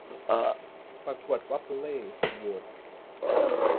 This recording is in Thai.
ประกวดป๊อบปูเล่โหวต